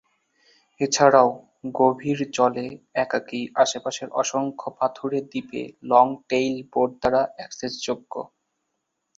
এছাড়াও, গভীর জলে একাকী আশেপাশের অসংখ্য পাথুরে দ্বীপে লং-টেইল বোট দ্বারা অ্যাক্সেসযোগ্য।